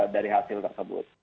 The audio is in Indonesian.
dari hasil tersebut